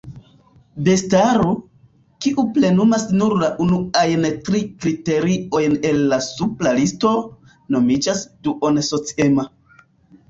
Bestaro, kiu plenumas nur la unuajn tri kriteriojn el la supra listo, nomiĝas duon-sociema.